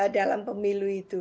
dalam pemilu itu